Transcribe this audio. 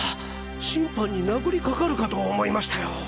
審判に殴りかかるかと思いましたよ。